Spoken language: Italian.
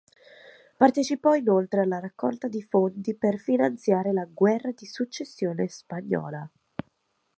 Partecipò inoltre alla raccolta di fondi per finanziare la Guerra di successione spagnola.